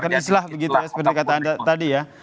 karena islah begitu ya seperti kata anda tadi ya